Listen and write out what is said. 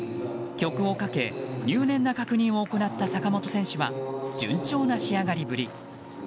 曲をかけ入念な確認を行った坂本選手は順調な仕上がりぶり。